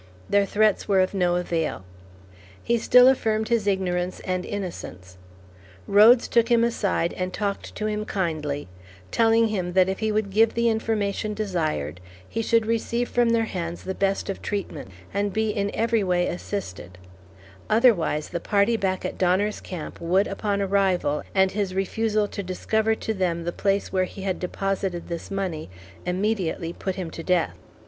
Their threats were of no avail. He still affirmed his ignorance and innocence. Rhodes took him aside and talked to him kindly, telling him that if he would give the information desired, he should receive from their hands the best of treatment, and be in every way assisted; otherwise, the party back at Donner's Camp would, upon arrival, and his refusal to discover to them the place where he had deposited this money, immediately put him to death.